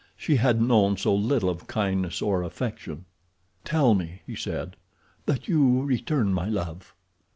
She had known so little of kindness or affection. "Tell me," he said, "that you return my love."